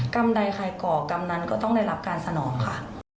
กรรมใดใครก่อกรรมนั้นก็ต้องได้รับการสนองค่ะ